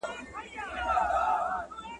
زه بايد واښه راوړم؟